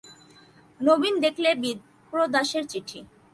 নবীন দেখলে বিপ্রদাসের চিঠি।